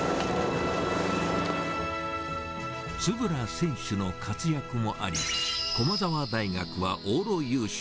円選手の活躍もあり、駒澤大学は往路優勝。